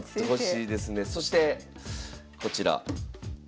そしてこちら。